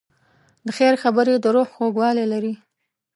د خیر خبرې د روح خوږوالی لري.